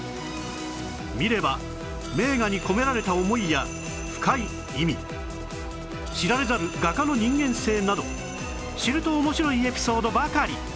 見れば名画に込められた思いや深い意味知られざる画家の人間性など知ると面白いエピソードばかり